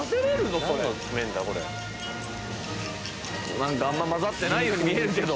何かあんま混ざってないように見えるけど。